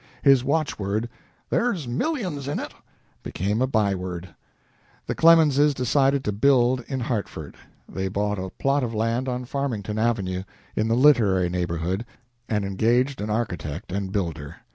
His watchword, "There's millions in it!" became a byword. The Clemenses decided to build in Hartford. They bought a plot of land on Farmington Avenue, in the literary neighborhood, and engaged an architect and builder.